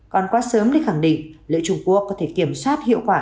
còn quá sớm để khẳng định liệu trung quốc có thể kiểm soát hiệu quả